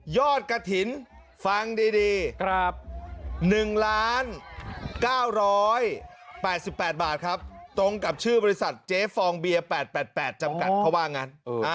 กระถิ่นฟังดี๑๙๘๘บาทครับตรงกับชื่อบริษัทเจฟองเบียร์๘๘จำกัดเขาว่างั้น